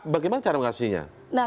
bagaimana cara mengawasinya